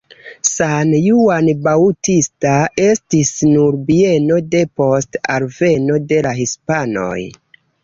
San Juan Bautista estis nur bieno depost alveno de la hispanoj.